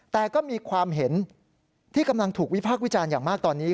แต่ก็มีความเห็นที่กำลังถูกวิพากษ์วิจารณ์อย่างมากตอนนี้